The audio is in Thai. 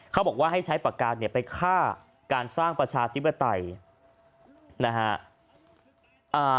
เขาบอกว่าให้ใช้ปากกาเนี่ยไปฆ่าการสร้างประชาธิปไตยนะฮะ